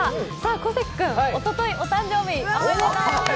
小関君、おととい誕生日、おめでとうございます。